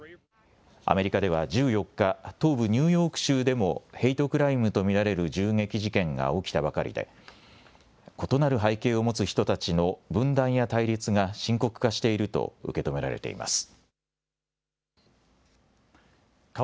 アメリカでは１４日、東部ニューヨーク州でもヘイトクライムと見られる銃撃事件が起きたばかりで異なる背景を持つ人たちの分断や対立が深刻化していると受け止められています。